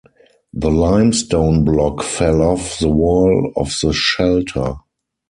The limestone block fell off the wall of the shelter.